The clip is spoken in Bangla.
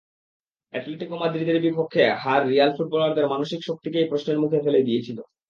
অ্যাটলেটিকো মাদ্রিদের বিপক্ষে হার রিয়াল ফুটবলারদের মানসিক শক্তিকেই প্রশ্নের মুখে ফেলে দিয়েছিল।